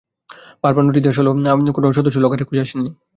বারবার নোটিশ দেওয়া হলেও কোনো সদস্যই লকারের খোঁজে আসেননি।